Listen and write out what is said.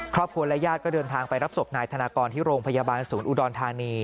ครอบครัวและญาติก็เดินทางไปรับศพนายธนากรที่โรงพยาบาลศูนย์อุดรธานี